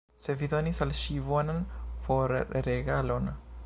Sed vi donis al ŝi bonan forregalon!